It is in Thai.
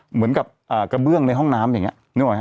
เหมือนกับกระเบื้องในห้องน้ำอย่างงี้